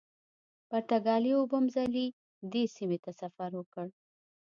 پرتګالي اوبمزلي دې سیمې ته سفر وکړ.